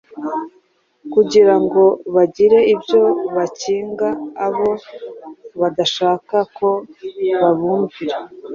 kugira ngo bagire ibyo bakinga abo badashaka ko babumvira